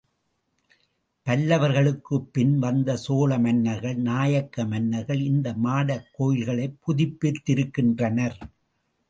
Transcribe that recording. பல்லவர்களுக்குப் பின் வந்த சோழ மன்னர்கள், நாயக்க மன்னர்கள், இந்த மாடக் கோயில்களைப் புதுப்பித்திருக்கின்றனர்.